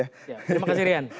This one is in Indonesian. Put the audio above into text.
terima kasih rian